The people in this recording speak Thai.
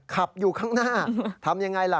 ขับอยู่ข้างหน้าทำยังไงล่ะ